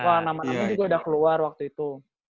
wah nama nama juga udah keluar waktu itu